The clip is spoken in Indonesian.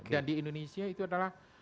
dan di indonesia itu adalah